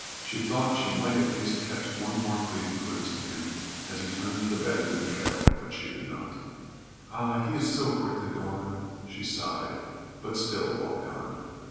She thought she might at least catch one more fleeting glimpse of him as he turned the bend in the trail, but she did not. "Ah, he is so quickly gone!" she sighed, but still walked on.